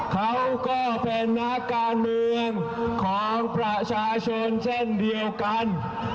เขาก็เป็นนักการเมืองของประชาชนเช่นเดียวกัน